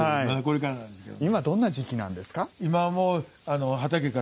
今、どんな時期なんですか？